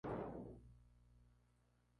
Come peces e invertebrados.